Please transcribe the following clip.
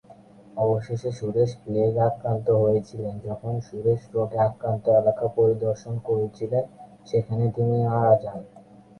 অবশেষে সুরেশ প্লেগ আক্রান্ত হয়েছিলেন, যখন সুরেশ রোগে আক্রান্ত এলাকা পরিদর্শন করছিলেন সেখানে তিনি মারা যান।